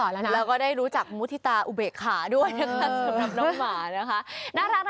แล้วก็ได้รู้จักมุฒิตาอุเบกขาด้วยนะคะสำหรับน้องหมานะคะน่ารัก